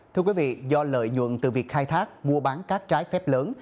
thưa quý vị do lợi nhuận từ việc khai thác mua bán cát trái phép lớn